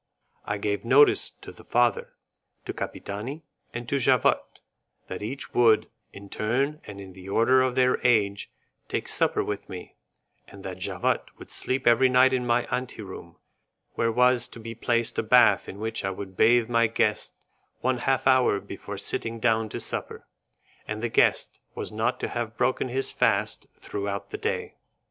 I gave notice to the father, to Capitani, and to Javotte, that each would, in turn and in the order of their age, take supper with me, and that Javotte would sleep every night in my ante room, where was to be placed a bath in which I would bathe my guest one half hour before sitting down to supper, and the guest was not to have broken his fast throughout the day.